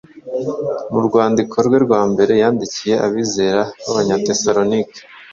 Mu rwandiko rwe rwa mbere yandikiye abizera b’Abanyatesalonike,